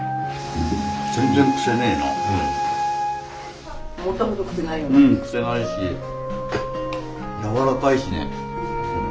うん癖ないし柔らかいしね。